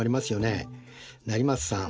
成松さん